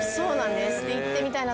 で行ってみたいな。